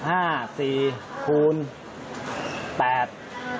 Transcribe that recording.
อ่าเรียกได้๑๒๓๖๓๒๓๖๓๒